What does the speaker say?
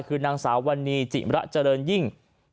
คือนางสาววันนี้จิมระเจริญยิ่ง